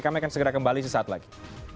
kami akan segera kembali sesaat lagi